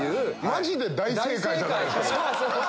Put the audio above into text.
マジで大正解じゃないですか。